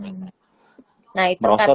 nah itu kata hanum tuh prosot